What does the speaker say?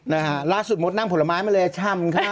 นะฮะล่าสุดมดนั่งผลไม้มาเลยช่ำครับ